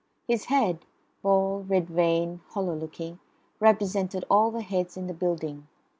His head bald, red veined, hollow looking represented all the heads in the building.